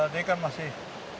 dia kan masih